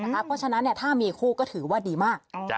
เพราะฉะนั้นถ้ามีคู่ก็ถือว่าดีมาก